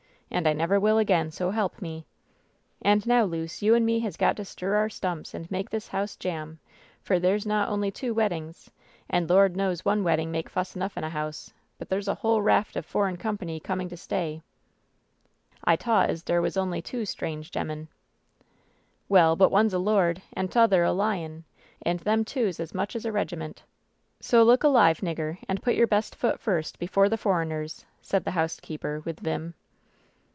And I never will again, so help me I And now, Luce, you and me has got to stir our stumps and make this house jamb, for there's not only two wed dings — ^and Lord knows one wedding makes fuss enough in a house! — ^but there's a whole raft of foreign com I)any coming to stay." "I t'ought as dere was on'y two st'ange gemmen." "Well, but one's a lord and t'other a lion ! And them two's as much as a regiment I So look alive, nigger, and put your best foot first before the foreigners," said the housekeeper, with vim.